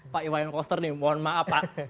pak iwayan koster nih mohon maaf pak